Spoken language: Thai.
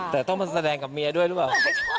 แต่ต้องมาแสดงกับเมียด้วยหรือเปล่า